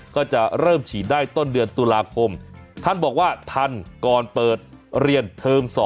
ก็จะเริ่มฉีดได้ต้นเดือนตุลาคมท่านบอกว่าทันก่อนเปิดเรียนเทิง๒